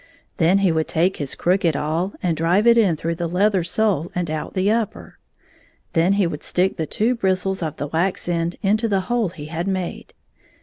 Then he would take his crooked awl and drive it in through the leather sole and out the upper. Then he would stick the two bris tles of the wax end into the hole he had made.